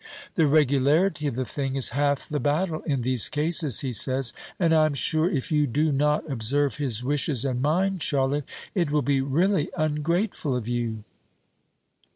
The regularity of the thing is half the battle in these cases, he says; and I am sure if you do not observe his wishes and mine, Charlotte, it will be really ungrateful of you."